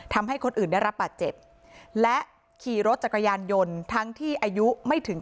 ทำให้คนอื่นได้รับบาดเจ็บและขี่รถจักรยานยนต์ทั้งที่อายุไม่ถึง